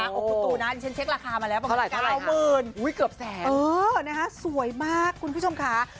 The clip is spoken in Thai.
โอ๊ดกูตูนะฉันเช็คราคามาแล้วประมาณเก้าหมื่นเกือบแสนเออนะฮะสวยมากคุณผู้ชมค่ะ